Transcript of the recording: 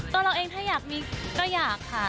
เราเองถ้าอยากมีก็อยากค่ะ